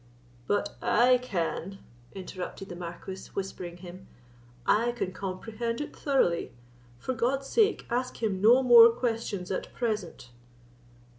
"But I can," interrupted the Marquis, whispering him, "I can comprehend it thoroughly; for God's sake, ask him no more questions at present."